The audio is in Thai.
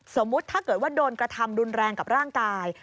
สมมุติถ้าเกิดว่าโดนกระทำรุนแรงกับร่างกาย